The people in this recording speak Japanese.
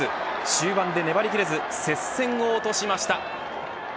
終盤で粘りきれず接戦を落としました。